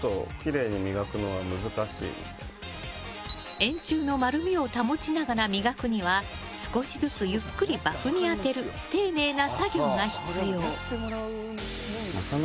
円柱の丸みを保ちながら磨くには少しずつゆっくりバフに当てる丁寧な作業が必要。